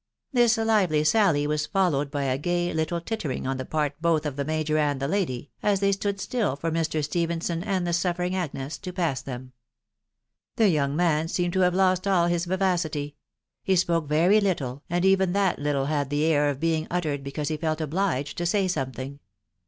This lively sally was followed by a gay little tittering on the part both of the major and the lady, as they stood still for Mr. Stephenson and the suffering Agnes to pass them. The young man seemed to have lost all his vivacity : he spoke very little, and even that little had the air of being uttered because he felt obliged to say something.